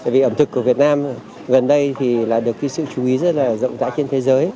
vì ẩm thực của việt nam gần đây được sự chú ý rất rộng rãi trên thế giới